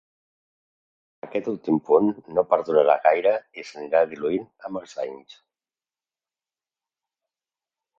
Aquest últim punt no perdurarà gaire i s'anirà diluint amb els anys